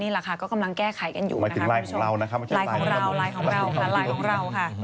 ราคาก็กำลังแก้ไขกันอยู่มาถึงรายของเรานะครับ